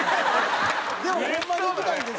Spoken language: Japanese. でもホンマに行きたいんですから。